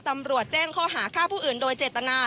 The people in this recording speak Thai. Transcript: ตำรวจแจ้งข้อหาฆ่าผู้อื่นโดยเจตนา